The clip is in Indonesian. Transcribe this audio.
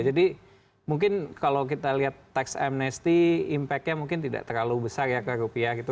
jadi mungkin kalau kita lihat tax amnesty impactnya mungkin tidak terlalu besar ya ke rupiah gitu